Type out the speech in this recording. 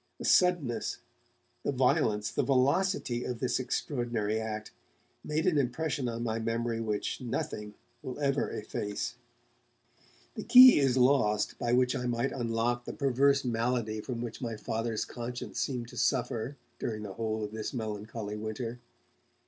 The suddenness, the violence, the velocity of this extraordinary act made an impression on my memory which nothing will ever efface. The key is lost by which I might unlock the perverse malady from which my Father's conscience seemed to suffer during the whole of this melancholy winter.